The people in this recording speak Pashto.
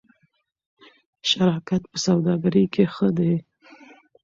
شراکت په سوداګرۍ کې ښه دی.